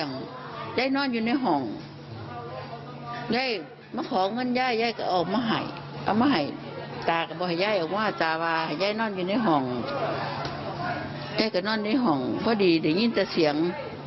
ยายก็นอนด้วยห่องเพราะดีเดี๋ยวยินจะเสียง